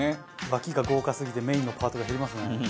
脇が豪華すぎてメインのパートが減りますね。